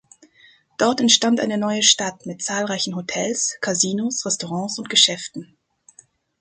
Dort entstand eine neue Stadt mit zahlreichen Hotels, Kasinos, Restaurants und Geschäften.